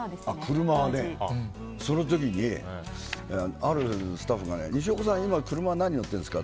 車はね、その時にあるスタッフが西岡さん、今、車何に乗ってるんですかって。